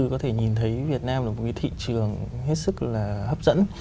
có thể nhìn thấy việt nam là một thị trường hết sức là hấp dẫn